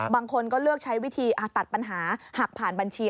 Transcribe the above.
บางคนก็เลือกใช้วิธีตัดปัญหาหักผ่านบัญชี